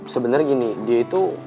sebenernya gini dia itu